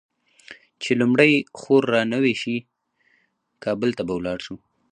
چې لومړۍ خور رانوې شي؛ کابل ته به ولاړ شو.